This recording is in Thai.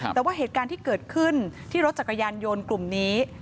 แต่ว่าเหตุการณ์ที่เกิดขึ้นที่รถจักรยานยนต์กลุ่มนี้